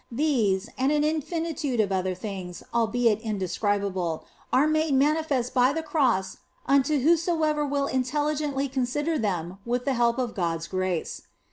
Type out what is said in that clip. These, and an infinitude of other things, albeit indescribable, are made manifest by the Cross unto whosoever will intelligently consider them with the help of God s grace.